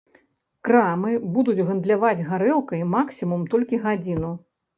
Крамы будуць гандляваць гарэлкай максімум толькі гадзіну.